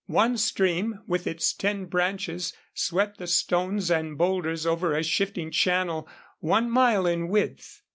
One stream, with its ten branches, swept the stones and boulders over a shifting channel one mile in width.